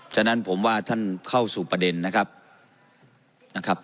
ฉะนั้นผมว่าท่านเข้าสู่ประเด็นนะครับนะครับ